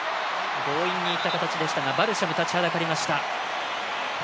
強引にいった形でしたがバルシャム、立ちはだかりました。